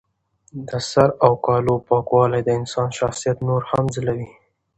د سر او کالو پاکوالی د انسان شخصیت نور هم ځلوي.